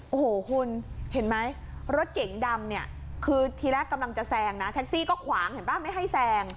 โอ้โหคุณเห็นไหมรถเก๋งดำเนี่ยคือทีแรกกำลังจะแซงนะแท็กซี่ก็ขวางเห็นป่ะไม่ให้แซง